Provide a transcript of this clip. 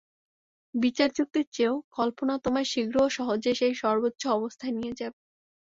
বিচারযুক্তির চেয়েও কল্পনা তোমায় শীঘ্র ও সহজে সেই সর্বোচ্চ অবস্থায় নিয়ে যাবে।